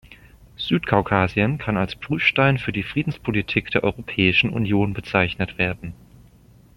Südkaukasien kann als Prüfstein für die Friedenspolitik der Europäischen Union bezeichnet werden.